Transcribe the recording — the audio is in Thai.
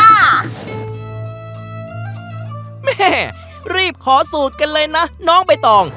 แม่รีบขอสูตรกันเลยนะน้องใบตอง